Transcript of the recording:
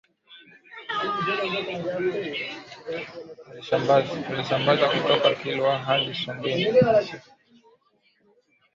Aliisambaza kutoka Kilwa hadi Songea